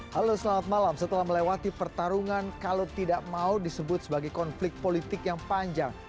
halo selamat malam setelah melewati pertarungan kalau tidak mau disebut sebagai konflik politik yang panjang